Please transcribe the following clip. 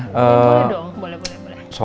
boleh dong boleh boleh